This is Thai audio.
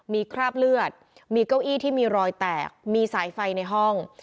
มีคราบเลือดมีเก้าอี้ที่มีรอยแตกมีสายไฟในห้อง